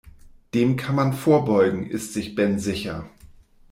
Dem kann man vorbeugen, ist sich Ben sicher.